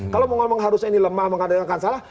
kalau mau ngomong harusnya ini lemah mengadakan salah